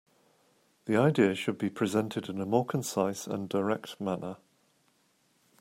The ideas should be presented in a more concise and direct manner.